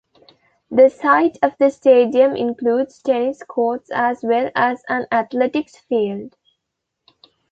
The site of the stadium includes tennis courts as well as an athletics field.